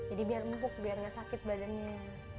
jadi biar empuk biar enggak sakit badannya